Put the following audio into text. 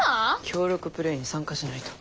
協力プレーに参加しないと。